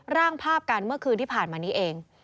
ร่างภาพกันเมื่อคืนที่ผ่านมานี้เอง